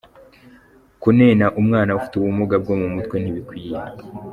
Kunena umwana ufite ubumuga bwo mu mutwe ntibikwiye!”.